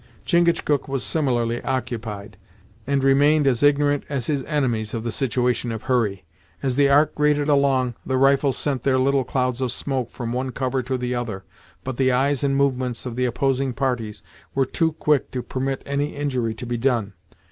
Chingachgook was similarly occupied, and remained as ignorant as his enemies of the situation of Hurry. As the Ark grated along the rifles sent their little clouds of smoke from one cover to the other, but the eyes and movements of the opposing parties were too quick to permit any injury to be done.